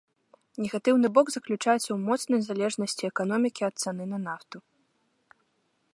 Негатыўны бок заключаецца ў моцнай залежнасці эканомікі ад цаны на нафту.